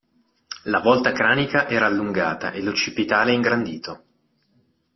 La volta cranica era allungata e l'occipitale ingrandito.